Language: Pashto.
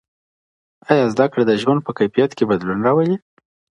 آیا زده کړه د ژوند په کیفیت کي بدلون راولي؟